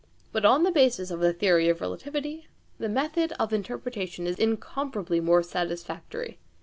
But on the basis of the theory of relativity the method of interpretation is incomparably more satisfactory.